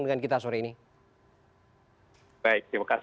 terima kasih pak